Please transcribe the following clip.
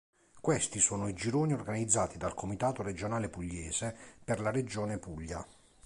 Questi sono i gironi organizzati dal Comitato Regionale Pugliese per la regione Puglia.